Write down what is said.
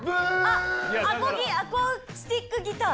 アコースティックギター！